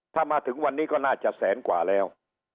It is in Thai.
ถ้ามาถึงวันนี้ก็น่าจะแสนกว่าแล้ว